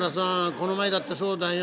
この前だってそうだよ！